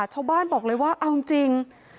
ชาวบ้านบอกเลยว่าเอาจริง